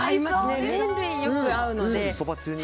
麺類によく合うので。